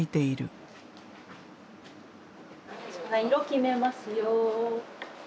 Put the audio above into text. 色決めますよ。